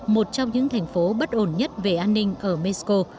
một trong những thành phố bất ổn nhất về an ninh ở mexico